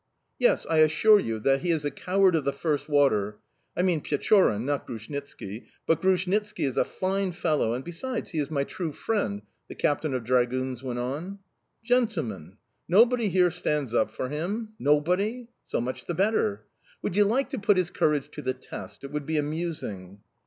"Yes, I assure you that he is a coward of the first water, I mean Pechorin, not Grushnitski but Grushnitski is a fine fellow, and, besides, he is my true friend!" the captain of dragoons went on. "Gentlemen! Nobody here stands up for him? Nobody? So much the better! Would you like to put his courage to the test? It would be amusing"...